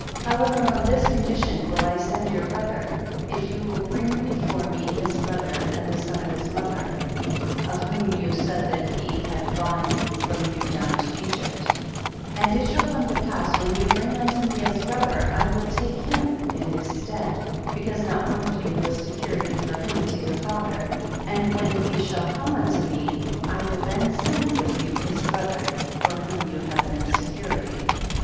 However on this condition will I send your brother, if you will bring before me his brother the son of his mother, of whom you said that he had gone from you down to Egypt ; and it shall come to pass when you bring unto me his brother I will take him in his stead, because not one of you was security for him to your father, and when he shall come vuito me, I will then send with you his brother for whom you have been security.